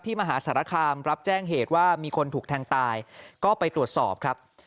มหาสารคามรับแจ้งเหตุว่ามีคนถูกแทงตายก็ไปตรวจสอบครับ